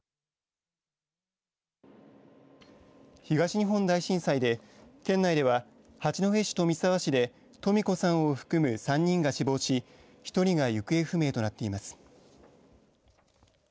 東日本大震災で県内では、八戸市と三沢市でトミ子さんを含む３人が死亡し１人が行方不明となっています。